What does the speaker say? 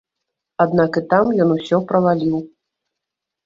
Аднак і там ён усё праваліў.